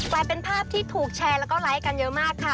กลายเป็นภาพที่ถูกแชร์แล้วก็ไลค์กันเยอะมากค่ะ